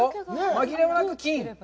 紛れもなく金。